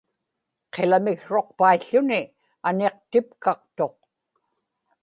qilamiqsruqpaił̣ł̣uni aniqtipkaqtuq